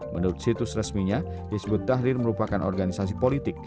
menurut situs resminya hizbut tahrir merupakan organisasi politik